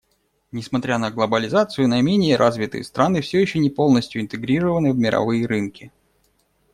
Несмотря на глобализацию, наименее развитые страны все еще не полностью интегрированы в мировые рынки.